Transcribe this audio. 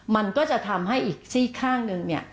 มันก็จะทำให้อีกซี่ข้างหนึ่ง